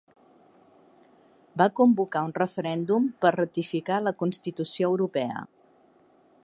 Va convocar un referèndum per ratificar la Constitució europea.